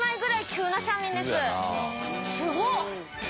すごっ。